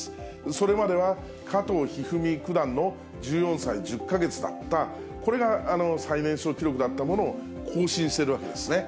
それまでは、加藤一二三・九段の１４歳１０か月だった、これが最年少記録だったものを、更新してるわけですね。